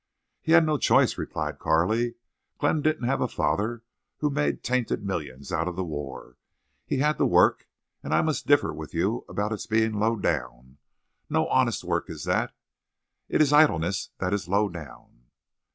"He had no choice," replied Carley. "Glenn didn't have a father who made tainted millions out of the war. He had to work. And I must differ with you about its being low down. No honest work is that. It is idleness that is low down."